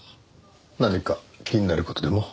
何か気になる事でも？